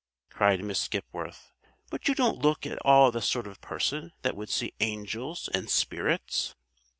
cried Miss Skipworth. "But you don't look at all the sort of person that would see angels and spirits."